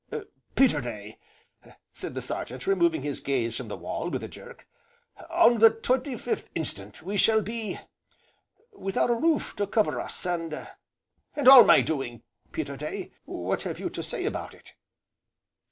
"Peterday," said the Sergeant removing his gaze from the wall with a jerk, "on the twenty fifth instant we shall be without a roof to cover us, and all my doing. Peterday what have you to say about it?"